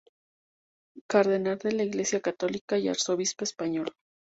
Cardenal de la Iglesia católica y arzobispo español.